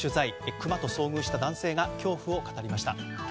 クマと遭遇した男性が恐怖を語りました。